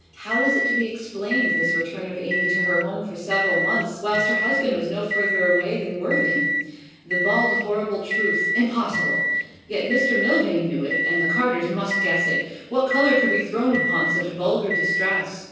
How was it to be explained, this return of Amy to her home for several months, whilst her husband was no further away than Worthing? The bald, horrible truth impossible! Yet Mr Milvain knew it, and the Carters must guess it. What colour could be thrown upon such vulgar distress?